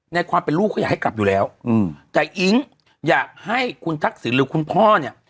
ความเป็นลูกเขาอยากให้กลับอยู่แล้วอืมแต่อิ๊งอยากให้คุณทักษิณหรือคุณพ่อเนี่ย